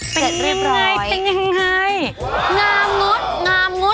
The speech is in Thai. เป็นยังไงเป็นยังไง